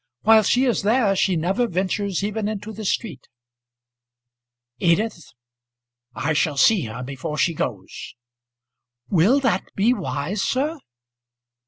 While she is there she never ventures even into the street." "Edith, I shall see her before she goes." "Will that be wise, sir?"